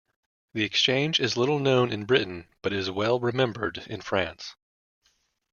The exchange is little known in Britain, but is well remembered in France.